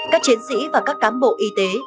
các chiến sĩ và các cán bộ y tế